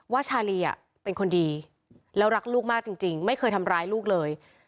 ชาลีเป็นคนดีแล้วรักลูกมากจริงไม่เคยทำร้ายลูกเลย